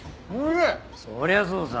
そりゃそうさ。